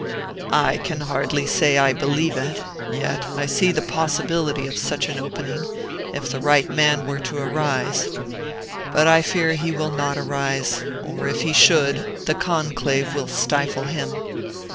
"I can hardly say I believe it; yet I see the possibility of such an opening if the right man were to arise. But I fear he will not arise; or if he should, the Conclave will stifle him.